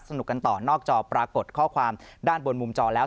สนุกกันต่อนอกจอปรากฏข้อความด้านบนมุมจอแล้ว